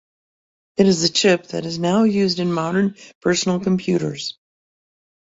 It is the chip that is now used in modern personal computers.